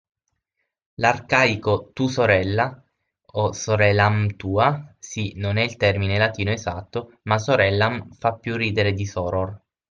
L'arcaico "tu sorella", o sorellam tua (sì, non è il termine latino esatto, ma “sorellam” fa più ridere di soror)